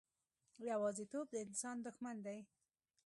یوازیتوب د انسان دښمن دی.